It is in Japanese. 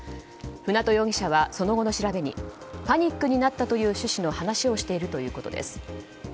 舟渡容疑者はその後の調べにパニックになったという趣旨の話をしているということです。